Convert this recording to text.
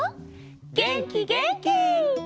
げんきげんき！